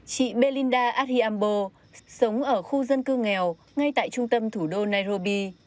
chị belinda adhiambo sống ở khu dân cư nghèo ngay tại trung tâm thủ đô nairobi